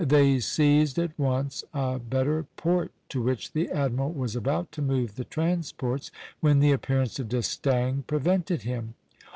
They seized at once a better port, to which the admiral was about to move the transports when the appearance of D'Estaing prevented him.